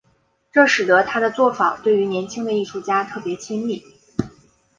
这使得他的作坊对于年轻的艺术家特别亲密。